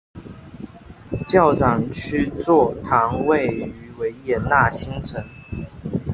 教长区座堂位于维也纳新城。